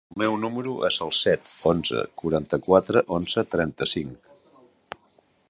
El meu número es el set, onze, quaranta-quatre, onze, trenta-cinc.